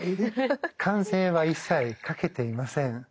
関税は一切かけていません。